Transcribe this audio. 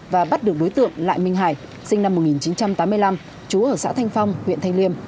và bắt được đối tượng lại minh hải sinh năm một nghìn chín trăm tám mươi năm chú ở xã thanh phong huyện thanh liêm